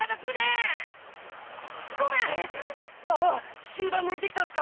あの集団抜いてきたんすか？